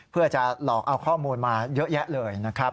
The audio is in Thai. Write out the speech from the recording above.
เพื่อจะหลอกเอาข้อมูลมาเยอะแยะเลยนะครับ